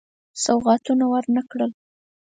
سوغاتونه ورنه کړل.